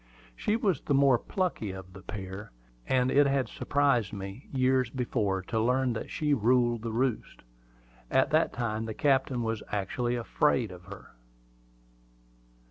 She was the more plucky of the pair, and it had surprised me, years before, to learn that she "ruled the roost." At that time the captain was actually afraid of her.